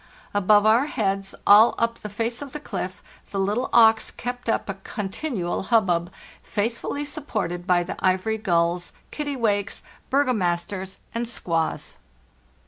Above our heads, all up the face of the cliff, the little auks kept up a con tinual hubbub, faithfully supported by the ivory gulls, kittiwakes, burgomasters, and skuas.